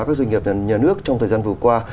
các doanh nghiệp nhà nước trong thời gian vừa qua